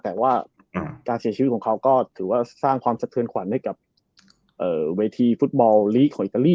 แต่ว่าการเสียชีวิตของเขาก็ถือว่าสร้างความสะเทือนขวัญให้กับเวทีฟุตบอลลีกของอิตาลี